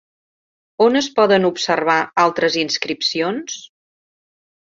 On es poden observar altres inscripcions?